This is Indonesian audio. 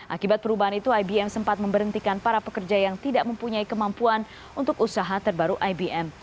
akibat perubahan itu ibm sempat memberhentikan para pekerja yang tidak mempunyai kemampuan untuk usaha terbaru ibm